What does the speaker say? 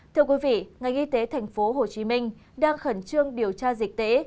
thưa quý vị ngành y tế tp hcm đang khẩn trương điều tra dịch tễ